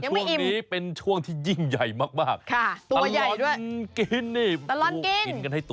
ช่วงนี้เป็นช่วงที่ยิ่งใหญ่มาก